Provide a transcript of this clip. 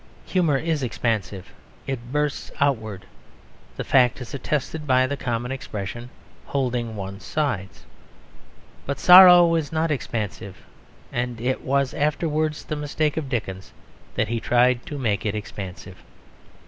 Humour is expansive; it bursts outwards; the fact is attested by the common expression, "holding one's sides." But sorrow is not expansive; and it was afterwards the mistake of Dickens that he tried to make it expansive.